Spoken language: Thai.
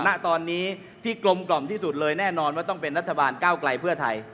ณตอนนี้ที่กลมกล่อมที่สุดเลยแน่นอนว่าต้องเป็นรัฐบาลก้าวไกลเพื่อไทย